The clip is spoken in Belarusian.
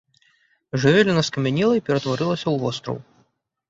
Жывёліна скамянела і ператварылася ў востраў.